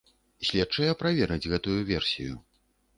Следчыя правераць гэтую версію.